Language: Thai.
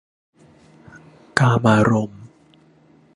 กามารมณ์